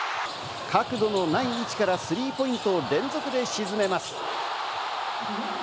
角度のない位置からスリーポイントを連続で沈めます。